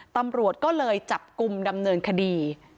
ตำรวจก็เลยจับกลุ่มดำเนินคดี